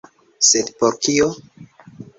Sed por kio?